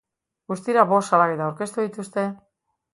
Guztira bost salaketa aurkeztu dituzte.